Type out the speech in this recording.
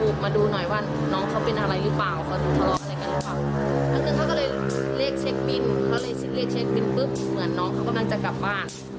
คุณมาดูหน่อยว่าน้องเขาเป็นอะไรรึเปล่า